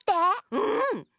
うん。